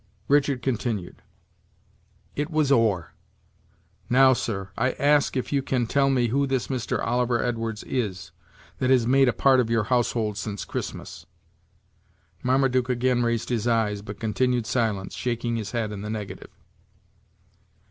Richard continued: "It was ore. Now, sir, I ask if you can tell me who this Mr. Oliver Edwards is, that has made a part of your household since Christmas?" Marmaduke again raised his eyes, but continued silent, shaking his head in the negative.